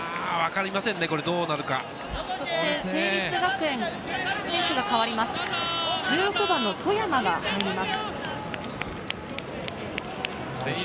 成立学園、選手が代わります。